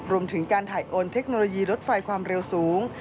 รวมถึงการถ่ายโอนเทคโนโลยีรถไฟความเร็วสูง